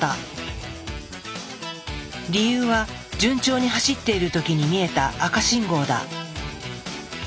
理由は順調に走っている時に見えた赤信号だ。